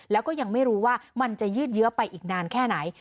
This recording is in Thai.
แล้วก็ยังไม่รู้ว่ามันจะยืดเยอะไปอีกนานแค่ไหน